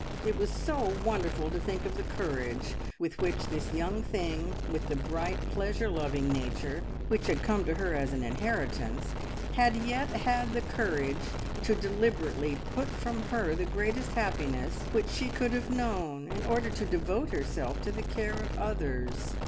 It was so wonderful to think of the courage with which this young thing, with the bright, pleasure loving nature which had come to her as an inheritance, had yet had the courage to deliberately put from her the greatest happiness which she could have known, in order to devote herself to the care of others.